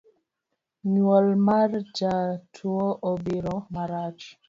Nyuol mar jatuo obiro marach